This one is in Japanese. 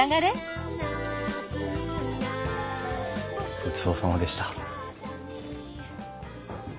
ごちそうさまでした。